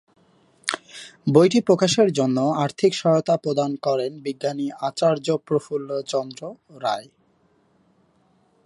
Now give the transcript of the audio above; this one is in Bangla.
বইটি প্রকাশের জন্য আর্থিক সহায়তা প্রদান করেন বিজ্ঞানী আচার্য প্রফুল্ল চন্দ্র রায়।